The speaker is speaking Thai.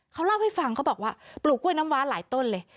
เขาเล่าให้ฟังเขาบอกว่าปลูกกล้วยน้ำว้าหลายต้นเลย